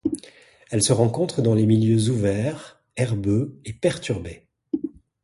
Elles se rencontrent dans les milieux ouverts, herbeux et perturbés.